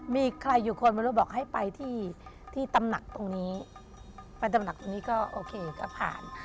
มีใครอยู่คนไม่รู้บอกให้ไปที่ที่ตำหนักตรงนี้ไปตำหนักตรงนี้ก็โอเคก็ผ่าน